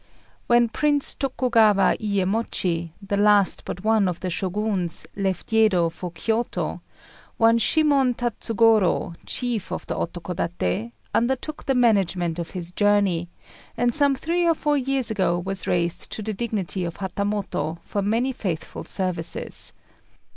When Prince Tokugawa Iyémochi, the last but one of the Shoguns, left Yedo for Kiôto, one Shimmon Tatsugorô, chief of the Otokodaté, undertook the management of his journey, and some three or four years ago was raised to the dignity of Hatamoto for many faithful services.